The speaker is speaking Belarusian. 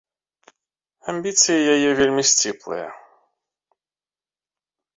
Амбіцыі яе вельмі сціплыя.